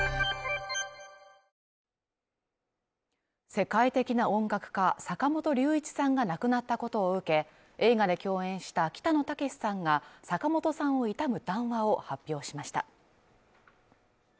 世界的な音楽家・坂本龍一さんが亡くなったことを受け、映画で共演した北野武さんが坂本さんを悼む談話を発表しました。